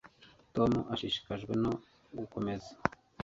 Tom ashishikajwe no gukomeza